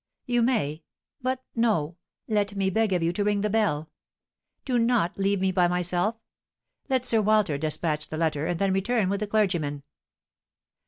"You may, but no, let me beg of you to ring the bell; do not leave me by myself; let Sir Walter despatch the letter, and then return with the clergyman."